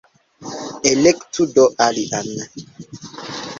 Elektu do alian!